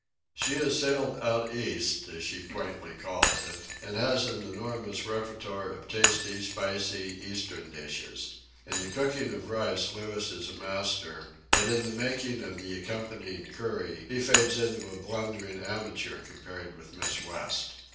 She has sailed "out East," as she quaintly calls it, and has an enormous repertoire of tasty, spicy, Eastern dishes. In the cooking of rice Louis is a master; but in the making of the accompanying curry he fades into a blundering amateur compared with Miss West.